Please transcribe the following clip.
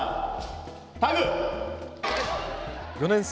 ４年生